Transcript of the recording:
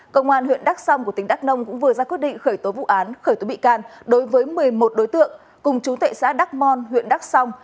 công an huyện đắc sông của tỉnh đắc nông cũng vừa ra quyết định khởi tố vụ án khởi tố bị can đối với một mươi một đối tượng cùng chú tệ xã đắc mon huyện đắc sông